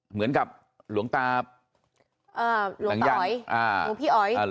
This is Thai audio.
เหมือนกับหลวงตาหลวงตาอ๋อยหลวงพี่อ๋อย